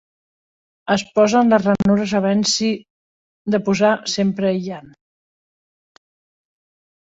Es posa en les ranures havent-s'hi de posar sempre aïllants.